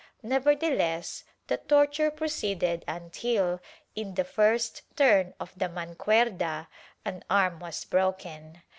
Nevertheless the torture proceeded until, in the first turn of the mancuerda, an arm was broken.